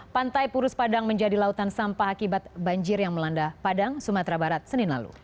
pantai purus padang menjadi lautan sampah akibat banjir yang melanda padang sumatera barat senin lalu